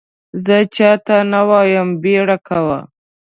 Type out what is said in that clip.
زه چا ته نه وایم بیړه کوه !